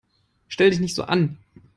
Stell dich nicht so an!